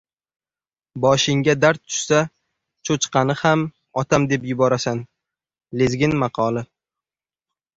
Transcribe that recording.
Boshingga dard tushsa, cho‘chqani ham "otam" deb yuborasan. Lezgin maqoli